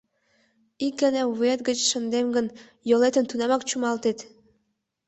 — Ик гана вует гыч шындем гын, йолетым тунамак чумалтет!